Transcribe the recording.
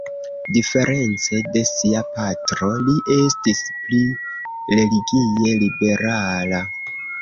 Diference de sia patro, li estis pli religie liberala.